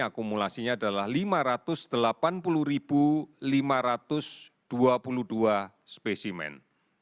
akumulasinya adalah lima ratus delapan puluh lima ratus dua puluh dua spesimen